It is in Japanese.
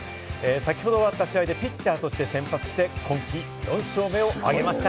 先程、終わった試合でピッチャーとして先発して今季４勝目を挙げました。